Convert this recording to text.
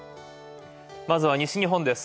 まずは西日本です。